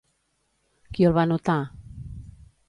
Qui el va notar?